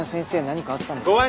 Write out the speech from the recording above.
何かあったんですか？